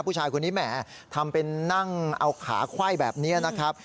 ผู้ชายคนนี้แหมทำเป็นนั่งเอาขาไขว้แบบนี้นะครับ